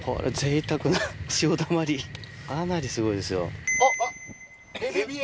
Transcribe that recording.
かなりすごいですよ。